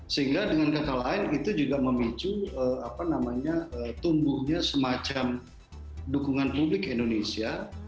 sehingga dengan kata lain itu juga memicu tumbuhnya semacam dukungan publik indonesia